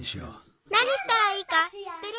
なにしたらいいかしってる！